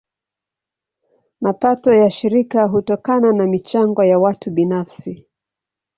Mapato ya shirika hutokana na michango ya watu binafsi.